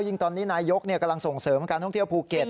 ยิ่งตอนนี้นายกกำลังส่งเสริมการท่องเที่ยวภูเก็ต